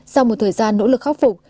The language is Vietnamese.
sau một thời gian nỗ lực khắc phục